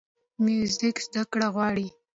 موزیک زدهکړه غواړي.